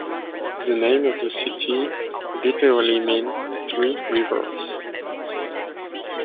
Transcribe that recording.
The name of the city literally means "Three Rivers".